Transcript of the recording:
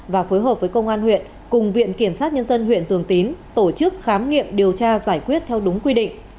và phối hợp với công an huyện cùng viện kiểm sát nhân dân huyện thường tín tổ chức khám nghiệm điều tra giải quyết theo đúng quy định